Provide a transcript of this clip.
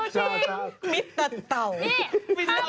ชอบมิตรเต่าไม่รู้ฮึ้ย